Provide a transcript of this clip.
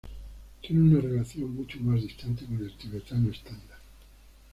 Tiene una relación mucho más distante con el tibetano estándar.